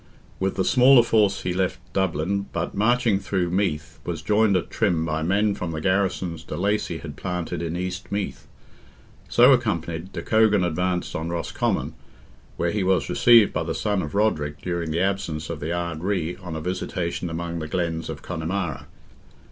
With the smaller force he left Dublin, but marching through Meath, was joined at Trim by men from the garrisons de Lacy had planted in East Meath. So accompanied, de Cogan advanced on Roscommon, where he was received by the son of Roderick during the absence of the Ard Righ on a visitation among the glens of Connemara.